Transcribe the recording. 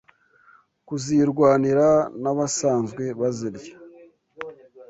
kuzirwanira n’abasanzwe bazirya,